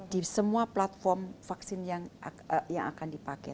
di semua platform vaksin yang akan dipakai